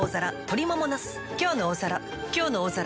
「きょうの大皿」